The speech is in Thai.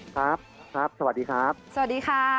ครับครับสวัสดีครับสวัสดีค่ะ